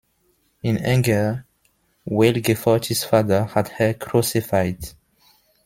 In anger, Wilgefortis's father had her crucified.